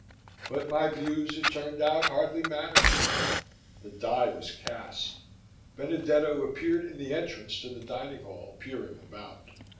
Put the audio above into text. But my views, it turned out, hardly mattered any more; the die was cast. Benedetto appeared in the entrance to the dining hall, peering about.